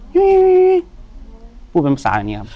อยู่ที่แม่ศรีวิรัยิลครับ